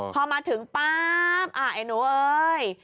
พอมาถึงปั๊บไอ้หนูเอ้ย